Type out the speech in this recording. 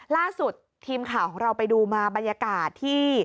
ล่าสุดทีมข่าวของเราไปดูมาบรรยากาศที่